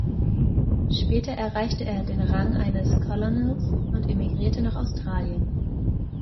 Später erreichte er den Rang eines Colonels und emigrierte nach Australien.